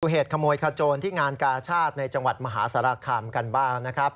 เหตุขโมยขโจรที่งานกาชาติในจังหวัดมหาสารคามกันบ้างนะครับ